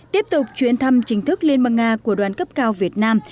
tiếp tục chuyến thăm chính thức liên bang nga của đoàn cấp cao việt nam